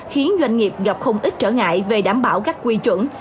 khiến doanh nghiệp gặp không ít trở ngại về đảm bảo các quy chuẩn